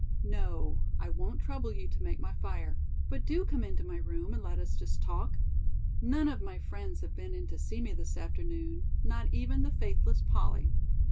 "No, I won't trouble you to make my fire, but do come into my room and let us just talk. None of my friends have been in to see me this afternoon, not even the faithless Polly!